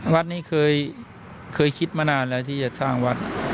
วัดนี้เคยคิดมานานแล้วที่จะสร้างวัด